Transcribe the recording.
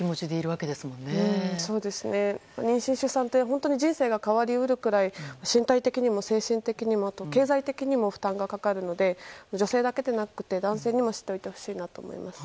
そうですね、妊娠・出産という本当に人生が変わり得るぐらい身体的にも精神的にも経済的にも負担がかかるので女性だけでなくて男性にも知っておいてほしいなと思います。